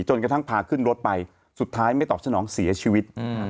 กระทั่งพาขึ้นรถไปสุดท้ายไม่ตอบสนองเสียชีวิต